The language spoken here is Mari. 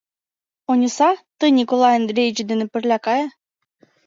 Ониса, тый Николай Андреич дене пырля кае.